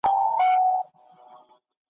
نه د کشر ورور په جېب کي درې غیرانه `